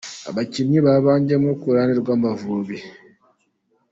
Abakinnyi babanjemo ku ruhande rw' Amavubi.